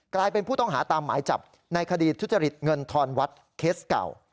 กลายเป็นผู้ต้องหาตามหมายจับในคดีทุจริตเงินทอนวัดเคสเก่า